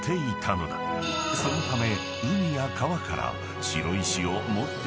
［そのため］